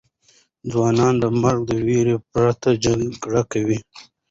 ځوانان د مرګ د ویرې پرته جګړه کوي.